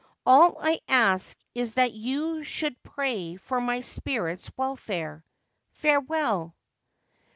All I ask is that you should pray for my spirit's welfare. Farewell